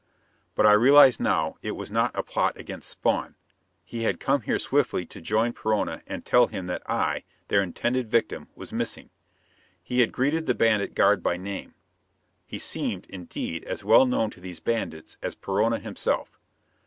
But I realized now it was not a plot against Spawn. He had come here swiftly to join Perona and tell him that I, their intended victim, was missing. He had greeted the bandit guard by name. He seemed, indeed, as well known to these bandits as Perona himself.